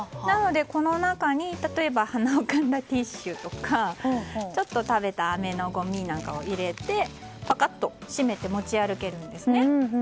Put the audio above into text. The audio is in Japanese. なのでこの中に例えば鼻をかんだティッシュとかちょっと食べたあめのごみなんかを入れてパカッと閉めて持ち歩けるんですね。